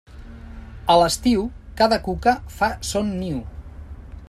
A l'estiu, cada cuca fa son niu.